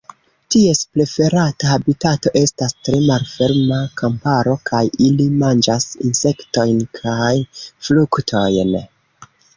Ties preferata habitato estas tre malferma kamparo, kaj ili manĝas insektojn kaj fruktojn.